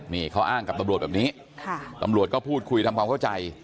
นี่เขาอ้างกับตำรวจแบบนี้ตำรวจก็พูดคุยทำความเข้าใจ